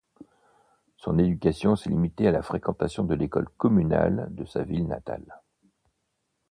Son éducation s'est limitée à la fréquentation de l’école communale de sa ville natale.